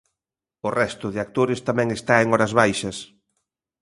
O resto de actores tamén está en horas baixas.